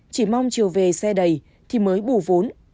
chỉ mong chiều về xe đầy thì mới bù vốn